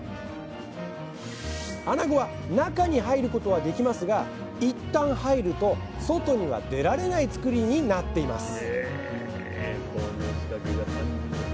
あなごは中に入ることはできますがいったん入ると外には出られない作りになっています